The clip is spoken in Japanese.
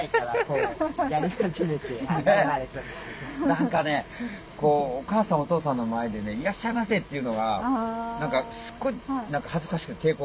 何かねお母さんお父さんの前でね「いらっしゃいませ」って言うのが何かすごい恥ずかしくて抵抗あったんですよ。